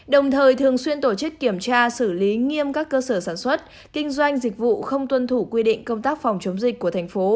đồng thời thường xuyên tổ chức kiểm tra xử lý nghiêm các cơ sở sản xuất kinh doanh dịch vụ không tuân thủ quy định công tác phòng chống dịch của thành phố